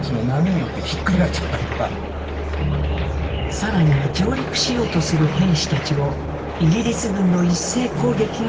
更に上陸しようとする兵士たちをイギリス軍の一斉攻撃が襲います。